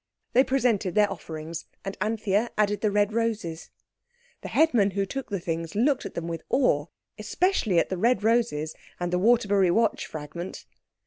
They presented their offerings, and Anthea added the red roses. The headman who took the things looked at them with awe, especially at the red roses and the Waterbury watch fragment.